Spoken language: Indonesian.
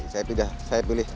saya pilih di rumah aja